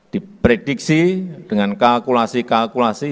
diprediksi dengan kalkulasi kalkulasi